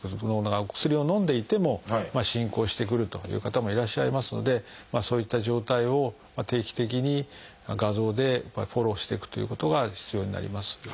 お薬をのんでいても進行してくるという方もいらっしゃいますのでそういった状態を定期的に画像でフォローしていくということが必要になります。